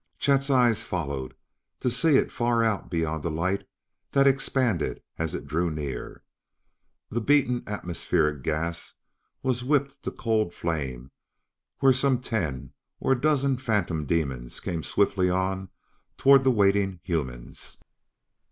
Chet's eyes followed it to see far out beyond a light that expanded as it drew near. The beaten atmospheric gas was whipped to cold flame where some ten or a dozen phantom demons came swiftly on toward the waiting humans.